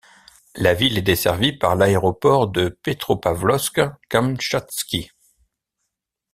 La ville est desservie par l'aéroport de Petropavlovsk-Kamtchatski.